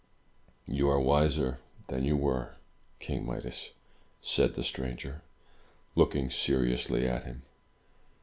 '' "You are wiser than you were. King Midas!" said the stranger, looking seriously at him.